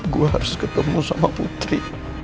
gue harus ketemu sama putri